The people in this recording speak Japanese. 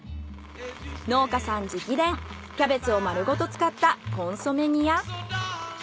農家さん直伝キャベツを丸ごと使ったコンソメ煮や。